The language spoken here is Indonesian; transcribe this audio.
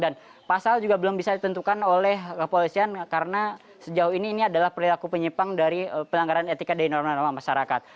dan pasal juga belum bisa ditentukan oleh kepolisian karena sejauh ini ini adalah perilaku penyimpang dari pelanggaran etika dan norma norma masyarakat